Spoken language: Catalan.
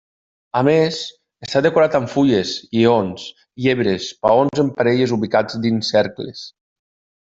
A més, està decorat amb fulles, lleons, llebres, paons en parelles ubicats dins cercles.